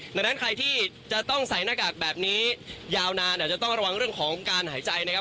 ดังนั้นใครที่จะต้องใส่หน้ากากแบบนี้ยาวนานอาจจะต้องระวังเรื่องของการหายใจนะครับ